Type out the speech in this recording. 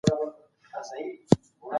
دا هغه پادشاهان وو چي ځان يې الهي ګاڼه.